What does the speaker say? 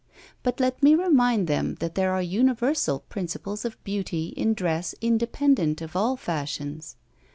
But let me remind them that there are universal principles of beauty in dress independent of all fashions.